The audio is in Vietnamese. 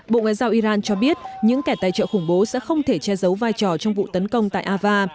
bộ ngoại giao iran cho biết những kẻ tài trợ khủng bố sẽ không thể che giấu vai trò trong vụ tấn công tại ava